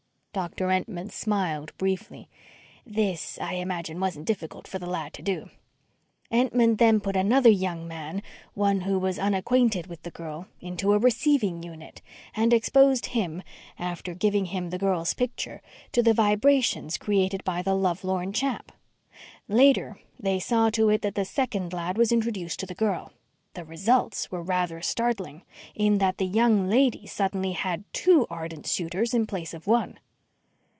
Doctor Entman smiled briefly. "This, I imagine, wasn't difficult for the lad to do. Entman then put another young man, one who was unacquainted with the girl, into a receiving unit and exposed him, after giving him the girl's picture, to the vibrations created by the lovelorn chap. Later, they saw to it that the second lad was introduced to the girl. The results were rather startling, in that the young lady suddenly had two ardent suitors in place of one."